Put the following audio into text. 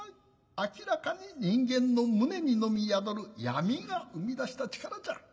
明らかに人間の胸にのみ宿る闇が生み出した力じゃ。